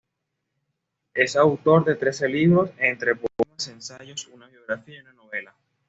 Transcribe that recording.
Es autor de trece libros, entre poemas, ensayos, una biografía y una novela.